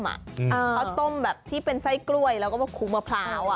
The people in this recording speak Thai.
ข้าวต้มแบบที่เป็นใส้กล้วยแล้วกลุงมะพร้าว